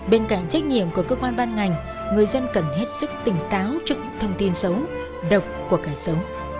bên cạnh trách nhiệm của cơ quan ban ngành người dân cần hết sức tỉnh táo trước những thông tin xấu độc của kẻ xấu